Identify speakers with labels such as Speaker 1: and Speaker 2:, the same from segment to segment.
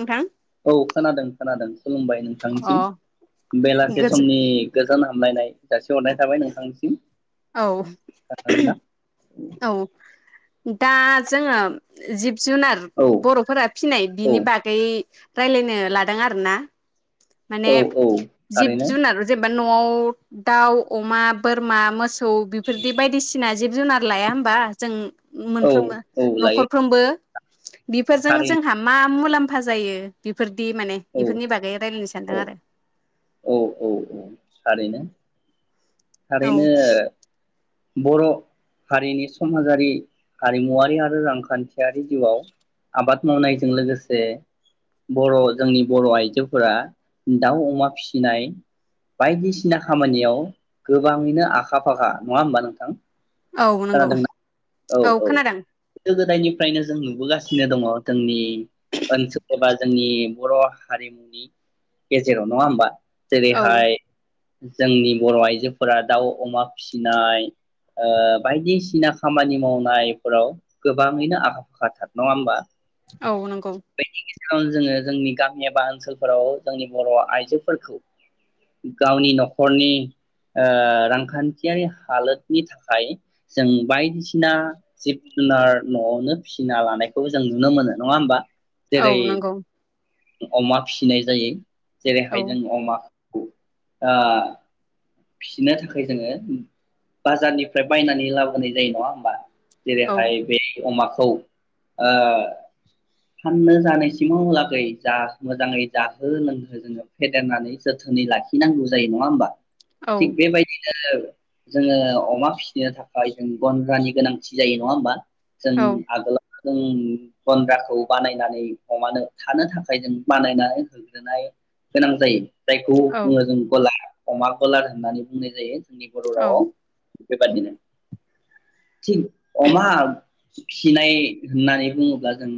Speaker 1: नोंथां
Speaker 2: औ खोनादों खोनादों खुलुमबाय
Speaker 1: अ
Speaker 2: नोंथांनिसिम बेलासे
Speaker 1: गोजो
Speaker 2: समनि गोज गोजोन हामलायनाय जासिहरनाय थाबाय नोंथांनिसिम
Speaker 1: औ
Speaker 2: नोंना
Speaker 1: औ दा जोङो जिब जुनार
Speaker 2: औ
Speaker 1: बर'फोरा फिनाय बिनि
Speaker 2: औ
Speaker 1: बागै रायलायनो लादों आरोना माने
Speaker 2: औ औ
Speaker 1: जिब
Speaker 2: थारैनो
Speaker 1: जुनार जेनबा न'आव दाउ, अमा, बोरमा मोस सौ बिफोरदि बायदिसिना जिब जुनार लाया होमबा जों
Speaker 2: औ
Speaker 1: मोनफ्रोमबो
Speaker 2: औ लायो
Speaker 1: नखरफ्रोमबो बिफोरजों
Speaker 2: थारैनो
Speaker 1: जोंहा मा मुलाम फा जायो बिफोर दि माने
Speaker 2: औ
Speaker 1: बिफोरनि बागै रायलायनो सानदों
Speaker 2: औ
Speaker 1: आरो
Speaker 2: औ औ औ‌ थारैनो
Speaker 1: औ
Speaker 2: थारैनो बर' हारिनि समाजारि हारिमुवारि आरो रांखान्थियारि जिउआव आबाद मावनायजों लोगोसे बर' जोंनि बर' आइजोफोरा दाउ अमा फिसिनाय बायदिसिना खामानियाव गोबाङैनो आखा फाखा नङा होमबा नोंथां?
Speaker 1: औ नोंगौ
Speaker 2: खोनादोंना
Speaker 1: औ खोनादों
Speaker 2: गोदो गोदायनिफ्रायनो जों नुबोगासिनो दङ जोंनि ओनसोल एबा जोंनि बर हारिमुनि गेजेराव नङाहोमबा जेरै
Speaker 1: औ
Speaker 2: हाय जोंनि बर आइजोफ फोरा दाउ अमा फिसिनाय ओ बायदिसिना खामानि मावनायफोराव गोबाङैनो आखा फाखाथार नङा होमबा
Speaker 1: औ नंगौ
Speaker 2: सिगां जोङो जोंनि गामि एबा ओनसोलफोराव जोंनि बर आइजोफोरखौ गावनि नखरनि ओ रांखान्थियारि हालोदनि थाखाय जों बायदिसिना जिब जुनार न'आवनो फिसिना लानायखौ जों नुनो मोनो नङा होमबा
Speaker 1: औ
Speaker 2: जेरै
Speaker 1: नोंगौ
Speaker 2: अमा फिनाय जायो जेरैहाय
Speaker 1: औ
Speaker 2: जों अमा आ फिसिनो थाखाय जोङो बाजारनिफ्राय बायनानै लाबोनाय जायो नङा होमबा
Speaker 1: औ
Speaker 2: जेरैहाय बे अमाखौ ओ फाननो जानायसिमाव लागै जा मोजाङै जाहो लोंहो जोङो फेदेरनानै जोथोनै लाखिनांगौ जायो नङा होमबा थिग
Speaker 1: औ
Speaker 2: बेबायदि ओ जोङो अमा फिसिनो थाखाय जों गन्द्रानि गोनांथि जायो नङा होमबा जों
Speaker 1: औ
Speaker 2: आगोला जों गन्द्राखौ बानायनानै अमानो थानो थाखाय जों बानायनानै होग्रोनाय गोनां जायो जायखौ
Speaker 1: औ
Speaker 2: बुङो जों गला अमा कलार होननानै बुंनाय जायो बिनि बर
Speaker 1: औ
Speaker 2: रावाव बेबादिनो थिग अमा फिनाय होननानै बुङोब्ला जों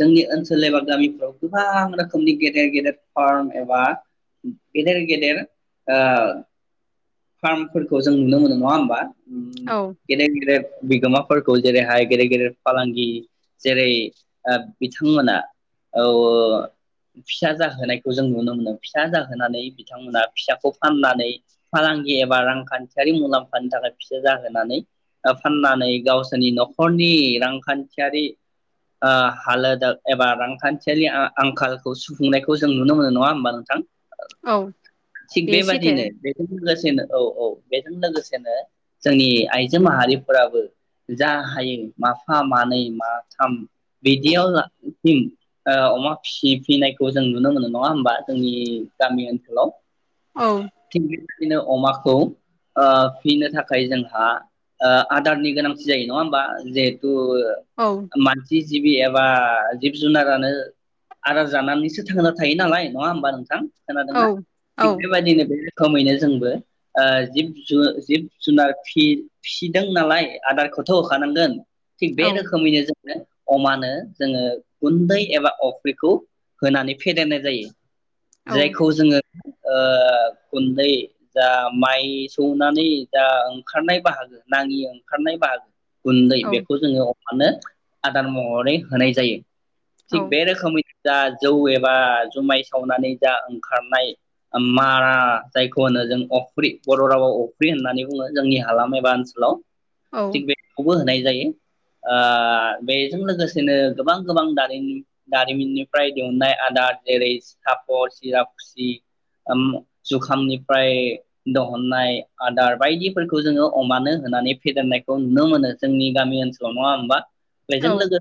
Speaker 2: जोंनि ओनसोल एबा गामिफ्राव गोबां रोखोमनि गेदेर गेदेर फार्म एबा गेदेर गेदेर ओ फार्मफोरखौ जों नुनो मोनो नङा होमबा उम
Speaker 1: औ
Speaker 2: गेदेर गेदेर बिगोमाफोरखौ जेरैहाय गेदेर गेदेर फालांगि जेरै ओ बिथांमोना औ फिसा जाहोनायखौ जों नुनो मोनो फिसा जाहोनानै बिथांमोना फिसाखौ फाननानै फालांगि एबा रांखान्थियारि मुलाम्फानि थाखाय फिसो जाहोनानै फाननानै गावसोरनि नखरनि रांखान्थियारि ओ हालोदा एबा रांखान्थियारि आंखालखौ सुफुंनायखौ जों नुनो मोनो नङा होमबा नोंथां
Speaker 1: औ
Speaker 2: थिग
Speaker 1: बेयो सैथो
Speaker 2: बेबादिनो लोगोसेनो औ औ बेजों लोगोसेनो जोंनि आइजो माहारिफोराबो जा हायो माफा मानै माथाम बिदियावसिम ओ अमा फिनायखौ जों नुनो मोनो नङा होमबा जोंनि गामि ओनसोलाव
Speaker 1: औ
Speaker 2: नो अमाखौ फिनो थाखाय जोंहा आदारनि गोनांथि जायो नङा होमबा जिहेथु
Speaker 1: औ
Speaker 2: ओ मानसि जिबि एबा जिब जुनारानो आदार जानानैसो थांना थायो नालाय नङा होमबा नोंथां
Speaker 1: औ
Speaker 2: खोनादोंना
Speaker 1: औ
Speaker 2: थिग बेबायादिनो बे रोखोमैनो जोंबो ओ जिब जुन जिब जुनार फिदों नालाय आदारखौथ होखानांगोन थिग
Speaker 1: औ
Speaker 2: बे रोखोमैनो जों अमानो जोङो गुन्दै एबा अफ्रिखौ होनानै फेदेरनाय जायो
Speaker 1: औ
Speaker 2: जायखौ जोङो ओ गुन्दै जा माइ सौनानै जा ओंखारनाय बाहागो नाङि ओंखारनाय बाहागो गुन्दै बेखौ जोङो मानो आदार महरै होनाय जायो थिग बे रोखोमै जा जौ एबा जुमाय सावनानै जा ओंखारनाय मारा जायखौ होनो जों अफ्रि बर रावआव अफ्रि होननानै बुङो जोंनि हालाम एबा ओनसोलाव थिग बेखौबो होनाय जायो ओ बेजों लोगोसेनो गोबां गोबां दारिमिन दारिमि ननिफ्राय दिहुननाय आदार जेरै सापर सिरा खुसि जुखामनिफ्राय दहननाय आदार बायदिफोरखौ जोङो अमानो होनानै फेदेरनायखौ नुनो मोनो जोंनि गामि ओनसोलाव नङा होमबा बेजों
Speaker 1: औ
Speaker 2: लोगो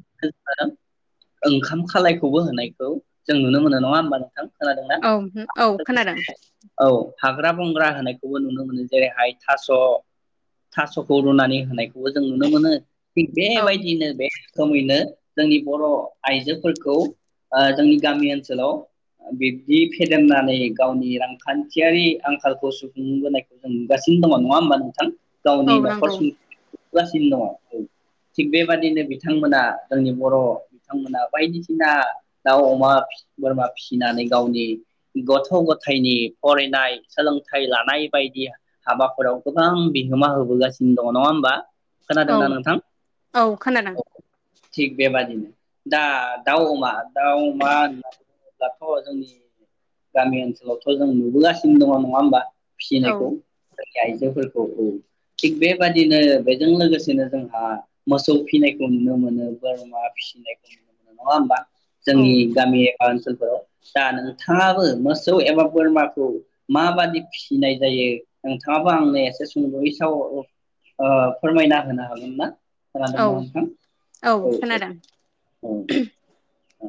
Speaker 2: [inaudible] ओंखाम खालायखौबो होनायखौ जों नुनो मोनो नङा होमबा नोंथां खोनादोंना?
Speaker 1: औ औ खोनादों
Speaker 2: औ हाग्रा बंग्रा होनायखौबो नुनो मोनो जेरैहाय थास' थास'खौ रुनानै होनाय खौबो जों नुनो मोनो थि
Speaker 1: औ
Speaker 2: बेबायदिनो बे रोखोमैनो जोंनि बर' आइजोफोरखौ ओ जोंनि गामि ओनसोलाव बिब्दि फदेरनानै गावनि रां खान्थियारि आंखालखौ सुफुंबोनायखौ नुगासिनो दङ नङा होमबा नोंथां
Speaker 1: औ
Speaker 2: गावनि नख'र
Speaker 1: नंगौ
Speaker 2: सुंनायखौ नुबोगासिनो दङ थिग बेबादिनो बिथांमोना जोंनि बर' बिथांमोना बायदिसिना दाउ अमा बोरमा फिसिनानै गावनि गथ' गथायनि फरायनाय सोलोंथाइ लानाय बायदि हाबाफोराव गोबां बिहोमा होबोगासिनो दङ नङा होमबा
Speaker 1: औ
Speaker 2: खोनादोंना नोंथां
Speaker 1: औ खोनादों
Speaker 2: थिग बेबादिनो दा दाउ अमा दाउ, अमा दाथ' जोंनि गामि ओनसोलावथ' जों नुबोगासिनो दङ नङा होमबा
Speaker 1: औ
Speaker 2: फिसिनायखौ आयजोफोरखौ औ थिग बेबादिनो बेजों लोगोसेनो जोंहा मोसौ फिनायखौ नुनो मोनो बोरमा फिसिनायखौ नङा होमबा
Speaker 1: औ
Speaker 2: जोंनि गामि एबा ओनसोल दा नोङो नोंथाङाबो मोसौ एबा बोरमाखौ माबादि फिसिनाय जायो नोंथाङाबो आंनो एसे सुंद'यै साव ओ फोरमायना होनो हागोन ना? खोनादोंना
Speaker 1: औ
Speaker 2: नोंथां
Speaker 1: औ खोनादों
Speaker 2: औ औ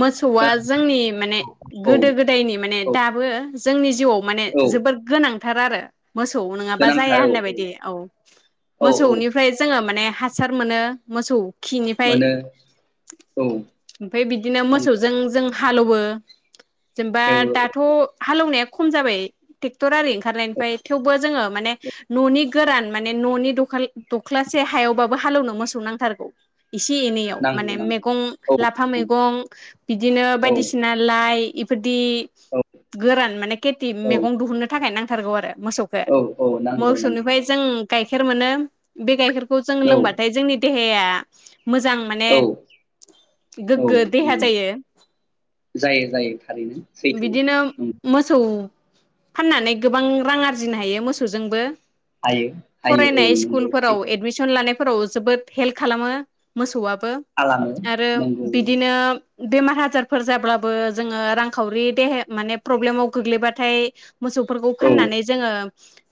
Speaker 1: मोसौआ जोंनि माने
Speaker 2: औ
Speaker 1: गोदो गोदायनि माने
Speaker 2: औ
Speaker 1: दाबो जोंनि जिउआव माने
Speaker 2: औ
Speaker 1: जोबोर गोनां थार आरो मोसौ नङाबा जाया
Speaker 2: गोनांथार औ
Speaker 1: होननाय बायदि औ
Speaker 2: औ औ
Speaker 1: मोसौनिफ्राय जोङो माने हासार मोनो मोसौ खिनिफ्राय
Speaker 2: मोनो औ
Speaker 1: ओमफाय बिदि
Speaker 2: नंगौ
Speaker 1: मोसौजों जों हालौयो जेनैबा
Speaker 2: हेवो औ
Speaker 1: दाथ' हालौनाया खम जाबाय टेक्टर आरि
Speaker 2: औ
Speaker 1: ओंखारनायनिफ्राय थेवबो जोङो माने न'नि गोरान माने न'नि दखाल दख्लासे हायावबाबो हालौनो मोसौ नांथारगौ एसे एनैयाव
Speaker 2: नांगौ
Speaker 1: माने
Speaker 2: नांगौ
Speaker 1: मेगं
Speaker 2: औ
Speaker 1: लाफा मै गं बिदिनो बायदिसिना लाइ इफोद दि गोरान माने खेथि
Speaker 2: औ
Speaker 1: मेगं दुहुननो थाखाय नां थारगौ आरो मोसौखो
Speaker 2: औ औ नांगौ नांगौ
Speaker 1: मोसौनिफ्राय जों
Speaker 2: नांगौ
Speaker 1: गाइ खेर मोनो बे गाइखेर खौ जों
Speaker 2: औ
Speaker 1: लोंबाथाय जोंनि दे हेया मोजां माने
Speaker 2: औ औ
Speaker 1: गोग गो देहा
Speaker 2: नंगौ
Speaker 1: जायो
Speaker 2: जायो जायो थारैनो सैथो
Speaker 1: बिदिनो
Speaker 2: नंगौ
Speaker 1: मोसौ फाननानै गोबां रां आरजिनो हायो मोसौजोंबो
Speaker 2: हायो हायो औ
Speaker 1: फरायनाय
Speaker 2: नंगौ
Speaker 1: सिकुलफोराव
Speaker 2: सैथो
Speaker 1: एडमिसन लानाय फोराव जोबोद हेल खालामो मोसौआ
Speaker 2: खालामो नंगौ।
Speaker 1: बिदिनो
Speaker 2: नंगौ
Speaker 1: बेमार हाजारफोर जाब्लाबो जोङो रांखावरि देहाया माने प्रब्लेमाव गोग्लैबाथाय मोसौफोरखौ
Speaker 2: औ
Speaker 1: फाननानै जोङो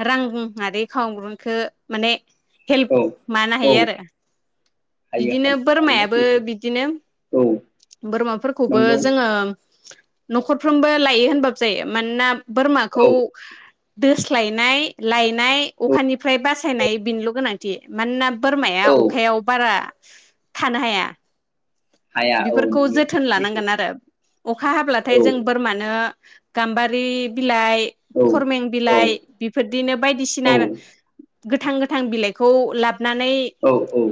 Speaker 1: रां आरि खावग्रुनखो माने हेल्प
Speaker 2: औ
Speaker 1: मानो
Speaker 2: औ
Speaker 1: हायो आरो
Speaker 2: हायो
Speaker 1: बिदिनो
Speaker 2: हायो थारैनो
Speaker 1: बोरमायाबो
Speaker 2: सैथो
Speaker 1: बिदिनो
Speaker 2: औ
Speaker 1: बोरमाफोरखौबो
Speaker 2: नंगौ
Speaker 1: जोङो न'खरफ्रोमबो लायो होनबाबो जायो मानोना बोरमाखौ
Speaker 2: औ
Speaker 1: दोस्लायनाय लाय नाय
Speaker 2: औ
Speaker 1: अखानिफ्राय बासायनाय बिनिल गोनां थि मानोना बोरमाया
Speaker 2: औ
Speaker 1: अखायाव बारा थानो हाया।
Speaker 2: हाया औ
Speaker 1: बेफोरखौ
Speaker 2: नंगौ
Speaker 1: जोथोन
Speaker 2: सैथो
Speaker 1: लानांगोन आरो। अखा हाब्लाथाय
Speaker 2: औ
Speaker 1: जों बोरमानो गाम्बारि बि बिलाइ,
Speaker 2: औ
Speaker 1: खरमें
Speaker 2: औ
Speaker 1: बिलाइ, बिफोरदिनो
Speaker 2: औ
Speaker 1: बायदिसिना गोथां गोथां बिलाइखौ लाब नानै
Speaker 2: औ औ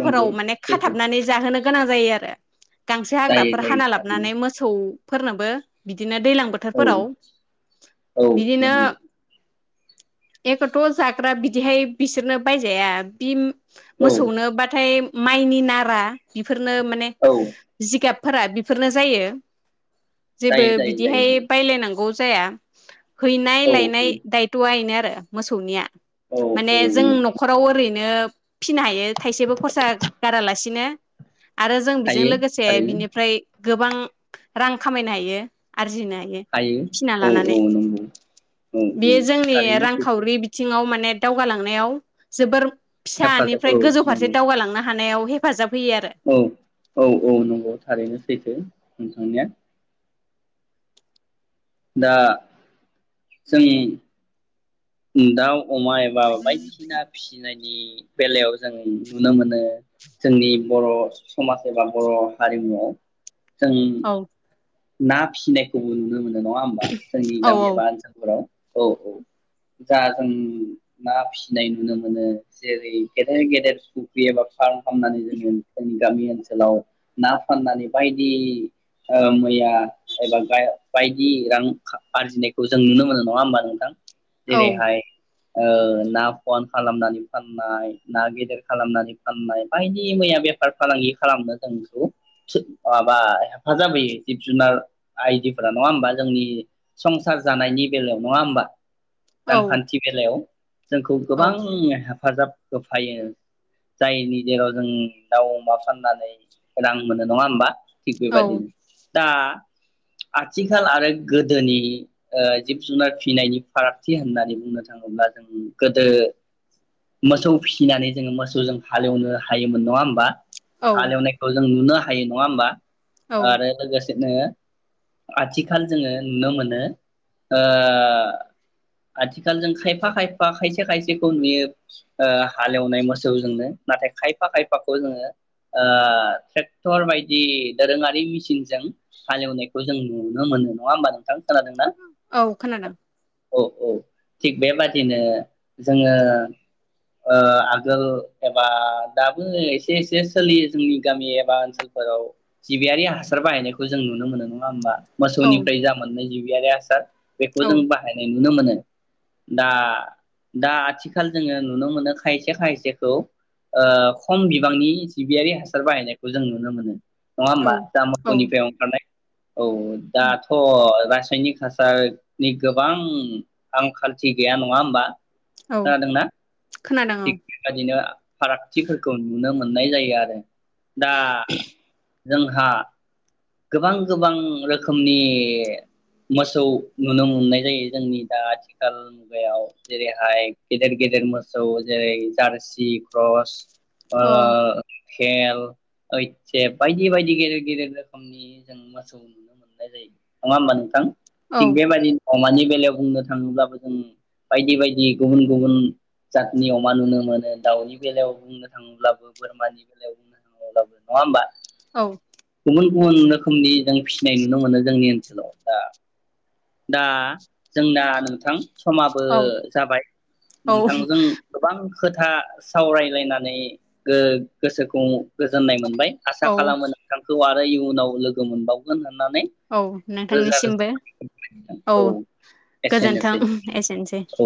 Speaker 2: नंगौ
Speaker 1: माने
Speaker 2: सैथो
Speaker 1: खाथाबनानै होनो गोनां जायो आरो। गांसो
Speaker 2: जायो
Speaker 1: हाग्राफोर
Speaker 2: जायो
Speaker 1: हाना
Speaker 2: थारैनो
Speaker 1: लाबनानै मोसौ फोरनोबो बिदि नो दैलां
Speaker 2: औ
Speaker 1: बोथोरफोराव
Speaker 2: औ
Speaker 1: बिदिनो
Speaker 2: नंगौ
Speaker 1: एखथ जाग्रा बिदिहाय बिसोरनो बायजाया बि
Speaker 2: औ
Speaker 1: मोसौनोबाथाय माइनि नारा बेफोरनो माने
Speaker 2: औ
Speaker 1: जिगाब फोरा बेफोरनो जायो। जेबो
Speaker 2: जायो जायो जायो
Speaker 1: बिदिहाय
Speaker 2: जायो
Speaker 1: बायलायनांगौ जाया। हैनाय
Speaker 2: औ
Speaker 1: लायनाय दायथआ एना आरो मोसौनिया।
Speaker 2: औ औ
Speaker 1: माने जों
Speaker 2: औ
Speaker 1: नखराव ओरै नो फिनो हायो थाइसेबो खरसा गारालासिनो। आरो जों बेजों
Speaker 2: हायो
Speaker 1: लोगोसे
Speaker 2: थारैनो
Speaker 1: बिनिफ्राय गोबां रां खामायनो हायो आरजिनो हायो फिना
Speaker 2: औ
Speaker 1: लानानै
Speaker 2: औ नंगौ औ
Speaker 1: बेयो जोंनि
Speaker 2: थारैनो सैथो
Speaker 1: रांखावरि बिथिङाव माने दावगालांनायाव जोबोर
Speaker 2: हेफाजाब औ
Speaker 1: फिसानिफ्राय गोजौ फारसे
Speaker 2: नंगौ
Speaker 1: दावगालांनो हानायाव हेफाजाब होयो आरो
Speaker 2: औ औ औ नंगौ थारैनो सैथो नोंथांनिया। दा जोंनि उ दाउ अमा एबा बायदिसिना फिसिनाय नि बेलायाव जों नुनो मोनो जोंनि बर समाज एबा बर हारिमुआव जोंनि
Speaker 1: आरो
Speaker 2: ना फिसिनायखौबो नुनो मोनो नङा होमबा जोंनि गामि
Speaker 1: औ
Speaker 2: एबा ओनसोलफोराव औ औ जा जों ना फिसिनाय नुनो मोनो जेरै गेदेर गेदेर फुख्रि एबा फार्म खालामनानै जोङो जोंनि गामि ओनसोलाव ना फाननानै बायदि ओ मै दा एबा बाय-बायदि रां आरजिनायखौ जों नुनो मोनो नङा होमबा नोंथां?
Speaker 1: औ
Speaker 2: जेरैहाय ओ ना फवान खालामनानै फाननाय ना गेदेर खालामनानै फाननाय बायदि मैया बेफार फालांगि खालामनो जोंखौ माबा हेफाजाब होयो। जिब जुनार बियदिफोरा नङा होमबा जोंनि संसार जानायनि बेलायाव नङा होमबा?
Speaker 1: औ
Speaker 2: रानखान्थि बेलायाव जोंखौ
Speaker 1: औ
Speaker 2: गोबांनि हेफाजाब होफायो जायनि जेराव जों दाउ अमा फाननानै उदां मोनो नङा होमबा? थिग
Speaker 1: औ
Speaker 2: बेबादिनो दा आथिखाल आरो गोदोनि ओ जिब जुनार फिसिनायनि फारागथि होननानै बुंनो थाङोब्ला जों गोदो मोसौ फिसिनानै जोङो मोसौजों हालेवनो हायोमोन नङा होमबा?
Speaker 1: औ
Speaker 2: हाल एवनायखौ जों नुनो हायो नङा होमबा?
Speaker 1: औ।
Speaker 2: लोगोसे नो आथिखाल जोङो नुनो मोनो ओ आथिखाल जों खायफा खायफा खायसे खायसेखौ नुयो ओ हालेवनाय मोसौजोंनो नाथाय खायफा खायफाखौ जोङो ओ ट्रेक्टर बायदि दोरोङारि मेसिन जों हालेवनायखौ जों नुनो मोनो नङा होमबा नोंथां? खोनादोंना
Speaker 1: औ खोनादों।
Speaker 2: औ औ थिग बेबादिनो जोङो ओ आगोल एबा दाबो एसे एसे सोलियो जोंनि गामि एबा ओनसोलफोराव जिबियारि हा सार बाहायनायखौ जों नुनो मोनो नङा होमबा?
Speaker 1: औ
Speaker 2: मसौनिफ्राय जा मोननाय जा जिबियारि हासार बेखौ
Speaker 1: औ
Speaker 2: जों बाहायनाय नुनो मोनो। दा दा आथिखाल जोङो नुनो मोनो खायसे खायसेखौ ओ खम बिबांनि जिबियारि हासार बाहायनायखौ जों नुनो मोनो नङा
Speaker 1: औ
Speaker 2: होमबा?
Speaker 1: औ
Speaker 2: माखयनिफ्राय ओंखारनाय औ दाथ' रासायनिक हासारनि गोबां आंखालथि गैया नङा होमबा?
Speaker 1: औ
Speaker 2: खोनादोंना
Speaker 1: खोनादों
Speaker 2: थिग बेबायदिनो फारागथिफोरखौ नुनो मोनो नुनाय जायो आरो। दा जोंहा गोबां गोबां रोखोमनि मोसौ नुनो मोननाय जायो जोंनि दा आथिखाल मुगायाव जेरैहाय गेदेर गेदेर मोसौ जेरै जारसि क्रस ओ
Speaker 1: औ
Speaker 2: पेल एइथसेप बायदि बायदि गेदेर गेदेर रोखोमनि जों मोसौ नुनो मोननाय जायो नङा होमबा नोंथां?
Speaker 1: अ औ
Speaker 2: थिग बे बादि अमानि बेलायाव बुंनो थाङोब्लाबो जों बायदि बायदि गुबुन गुबुन जातनि अमा नुनो मोनो दाउनि बेलायाव बुंनो थाङोब्लाबो बोरमानि बेलायाव बुंनो थाङोब्लाबो नङा होमबा?
Speaker 1: औ।
Speaker 2: गुबुन गुबुन रोखोमनि जों फिनाय नुनो मोनो जोंनि ओनसो लाव दा। दा जोंना नोंथां समाबो
Speaker 1: औ
Speaker 2: जाबाय
Speaker 1: औ
Speaker 2: नोंथांजों गोबां खोथा, सावरायलायनानै गो गोसोखौ गोजोननाय मोनबाय, आसा
Speaker 1: औ
Speaker 2: खालामो नोंथांखौ आं जाय इयुनाव लोगो मोनबावगोन होन
Speaker 1: औ नोंथांनिसिमबो,
Speaker 2: रोजा औ
Speaker 1: गोजोन्थों
Speaker 2: एसेनोसै
Speaker 1: एसेनोसै
Speaker 2: औ